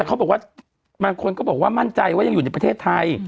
เขาบอกว่าบางคนก็บอกว่ามั่นใจว่ายังอยู่ในประเทศไทย